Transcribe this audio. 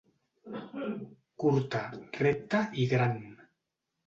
Curta, recta i gran.